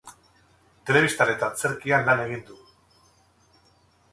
Telebistan eta antzerkian lan egin du.